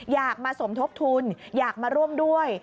อยากมาสมทบทุนอยากมาร่วมด้วย